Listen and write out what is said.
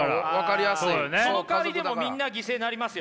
そのかわりみんな犠牲になりますよ？